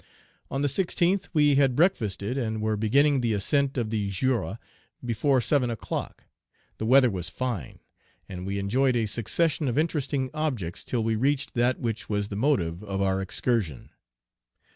On the 16th, we had breakfasted, and were beginning the ascent of the Jura before seven o'clock. The weather was fine, and we enjoyed a succession of interesting objects till we reached that which was the motive of our excursion.